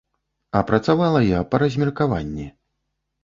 А працавала я па размеркаванні.